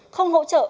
không hỗ trợ